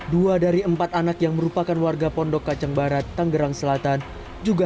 dua dari empat anak yang merupakan warga pondok kacang barat tanggerang selatan juga